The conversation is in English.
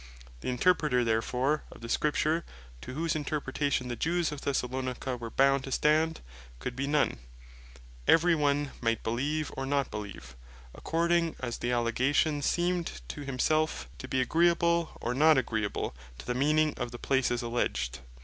The Interpreter therefore of the Scripture, to whose Interpretation the Jews of Thessalonica were bound to stand, could be none: every one might beleeve, or not beleeve, according as the Allegations seemed to himselfe to be agreeable, or not agreeable to the meaning of the places alledged.